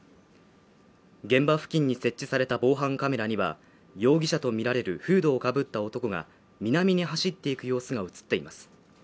現場付近に設置された防犯カメラには容疑者とみられるフードをかぶった男が南に走っていく様子が映っています